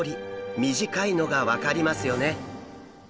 短いのが分かりますよね。